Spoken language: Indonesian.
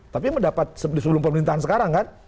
tapi mendapat sebelum pemerintahan sekarang kan